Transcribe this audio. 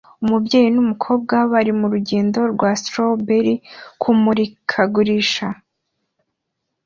Umubyeyi numukobwa bari murugendo rwa strawberry kumurikagurisha